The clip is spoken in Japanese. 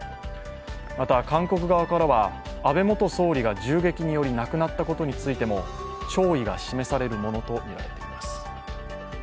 また、韓国側からは安倍元総理が銃撃で亡くなったことについても弔意が示されるものとみられています。